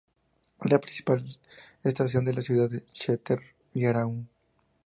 Es la principal estación de la ciudad de Châtellerault.